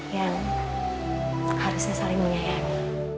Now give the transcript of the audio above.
yang harusnya saling menyayangi